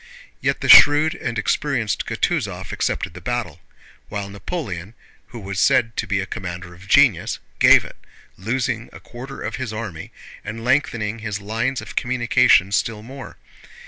Yet the shrewd and experienced Kutúzov accepted the battle, while Napoleon, who was said to be a commander of genius, gave it, losing a quarter of his army and lengthening his lines of communication still more.